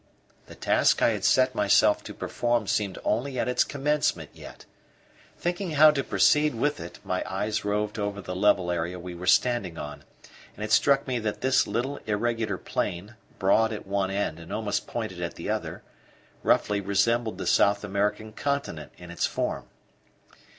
The task I had set myself to perform seemed only at its commencement yet. Thinking how to proceed with it, my eyes roved over the level area we were standing on, and it struck me that this little irregular plain, broad at one end and almost pointed at the other, roughly resembled the South American continent in its form.